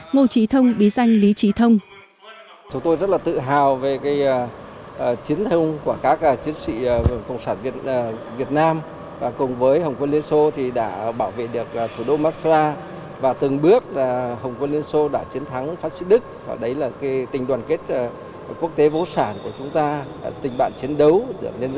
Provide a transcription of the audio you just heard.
ngô trị thông bí danh lý trị thông